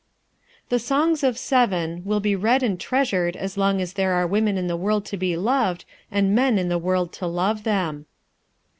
The Songs of Seven will be read and treasured as long as there are women in the world to be loved, and men in the world to love them.